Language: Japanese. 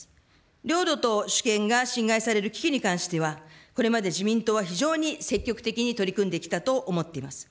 領土と主権が侵害される危機に関しては、これまで自民党は非常に積極的に取り組んできたと思っております。